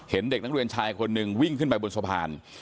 เห็นเด็กนักเรียนชายคน๑วิ่งขึ้นไปบนสภาล